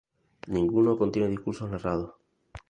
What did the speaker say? Ninguno contiene discursos narrados.